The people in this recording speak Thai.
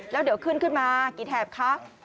แล้วเดี๋ยวขึ้นขึ้นมากี่แถบคะ